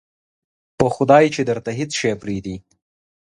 په خدای چې درته هېڅ شی پرېږدي.